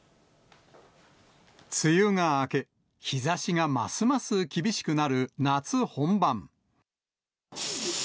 梅雨が明け、日ざしがますます厳しくなる夏本番。